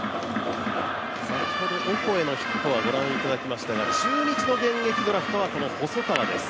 先ほどオコエのヒットは御覧いただきましたが、中日の現役ドラフトはこの細川です。